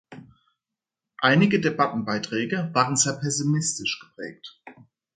Einige Debattenbeiträge waren sehr pessimistisch geprägt.